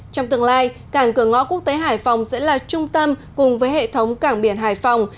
trong tương lai cảng cửa ngõ quốc tế hải phòng sẽ là trung tâm cùng với hệ thống cảng biển hải phòng